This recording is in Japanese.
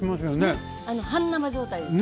半生状態です。